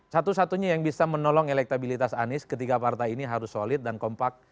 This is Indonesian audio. satu satunya yang bisa menolong elektabilitas anies ketiga partai ini harus solid dan kompak